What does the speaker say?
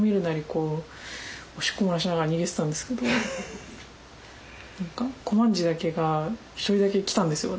こうおしっこ漏らしながら逃げてたんですけど何かこまんじだけが１人だけ来たんですよ